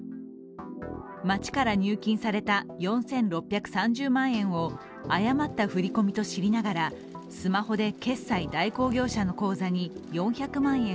町から入金された４６３０万円を誤った振り込みと知りながらスマホで決済代行業者の口座に４００万円